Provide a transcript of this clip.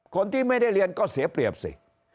คนที่ไม่ได้เรียนก็เสียเปรียบสิ